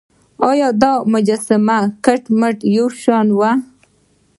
ایا دا مجسمې کټ مټ یو شان وې.